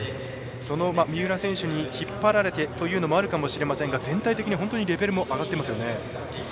その三浦選手に引っ張られてというのもあるかもしれませんが全体的に、本当にレベルも上がっていますよね。